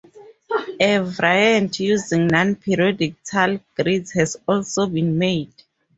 A variant using non-periodic tile grids has also been made.